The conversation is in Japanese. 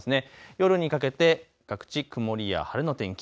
夜にかけて各地曇りや晴れの天気。